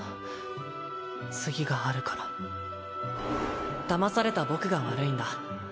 次があるからだまされた僕が悪いんだ